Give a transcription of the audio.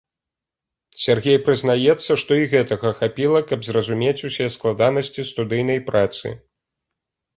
Сяргей прызнаецца, што і гэтага хапіла, каб зразумець усе складанасці студыйнай працы.